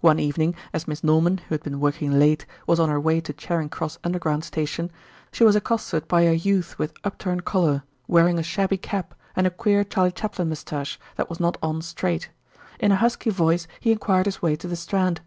One evening as Miss Norman, who had been working late, was on her way to Charing Cross Underground Station, she was accosted by a youth with upturned collar, wearing a shabby cap and a queer Charlie Chaplain moustache that was not on straight. In a husky voice he enquired his way to the Strand.